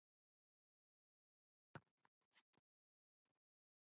سارا! زما خبره دې له غوږه واېستله.